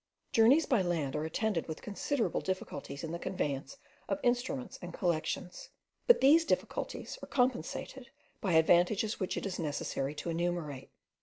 Journeys by land are attended with considerable difficulties in the conveyance of instruments and collections, but these difficulties are compensated by advantages which it is unnecessary to enumerate.